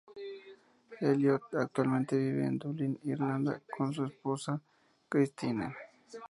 Elliott actualmente vive en Dublín, Irlanda, con su esposa Kristine.